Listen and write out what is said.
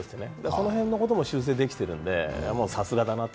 その辺のことも修正できてるのでさすがだなと。